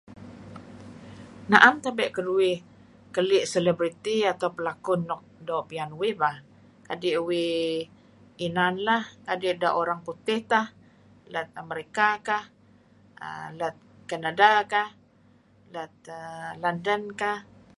Naem tabe' keduih keli celebrity kadi' pelakun nuk doo' pian uih bah kadi' uih inan lah ideh Orang Putih tah lat America kah lat Canada kah. Lat London kah.